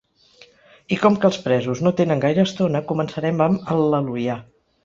I com que els presos no tenen gaire estona, començarem amb “Al·leluia”.